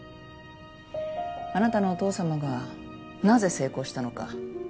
あなたのお父様がなぜ成功したのか。